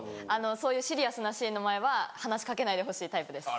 そういうシリアスなシーンの前は話し掛けないでほしいタイプです。